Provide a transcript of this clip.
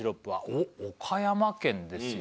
おっ岡山県ですよ